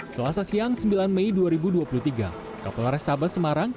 selasa siang sembilan mei dua ribu dua puluh tiga kapolres taba semarang